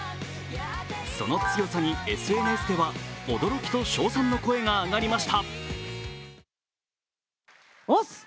その強さにＳＮＳでは驚きと称賛の声が上がりました。